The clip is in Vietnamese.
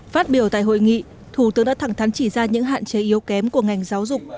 phát biểu tại hội nghị thủ tướng đã thẳng thắn chỉ ra những hạn chế yếu kém của ngành giáo dục